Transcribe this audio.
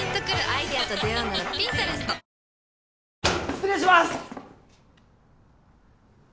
失礼します！